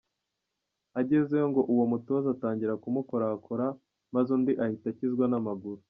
Agezeyo ngo uwo mutoza atangira kumukorakora, maze undi ahita akizwa n’amaguru.